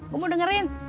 gua mau dengerin